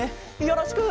よろしく。